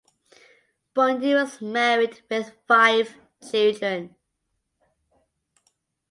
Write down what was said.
Bundi was married with five children.